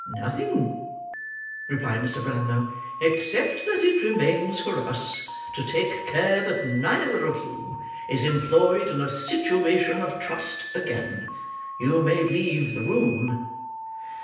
"Nothing," replied Mr. Brownlow, "except that it remains for us to take care that neither of you is employed in a situation of trust again. You may leave the room."